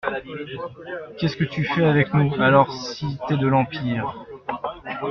Qu'est-ce que tu fais avec nous, alors si t'es de l'Empire ?